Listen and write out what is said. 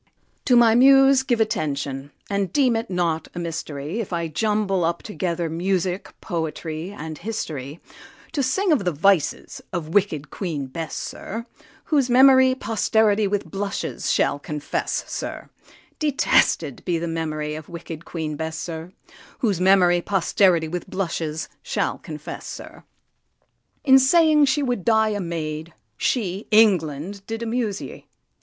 To my Muse give attention, and deem it not a mystery If I jumble up together music, poetry, and history, To sing of the vices of wicked Queen Bess, sir, Whose memory posterity with blushes shall confess, sir, Detested be the memory of wicked Queen Bess, sir, Whose memory posterity with blushes shall confess, sir. In saying she would die a maid, she, England! did amuse ye.